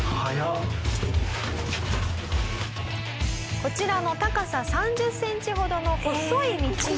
「こちらの高さ３０センチほどの細い道も」